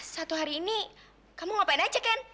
satu hari ini kamu ngapain aja kan